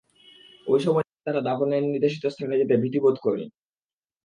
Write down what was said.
ঐ সময় তারা দাফনের নির্দেশিত স্থানে যেতে ভীতিবোধ করলেন।